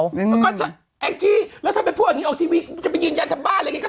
แล้วก็แล้วถ้าไปพูดอย่างงี้ออกทีวีจะไปยืนยันจำบ้าอะไรอย่างงี้